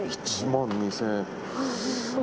１万２０００円。